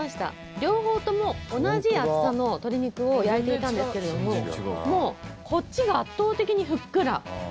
両方とも同じ厚さの鶏肉を焼いていたんですけれどもこっちが圧倒的にふっくら。